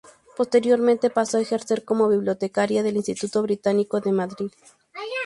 Posteriormente pasó a ejercer como bibliotecaria del Instituto Británico de Madrid.